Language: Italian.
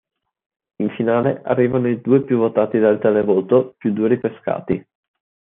In finale arrivavano i due più votati dal televoto più due ripescati.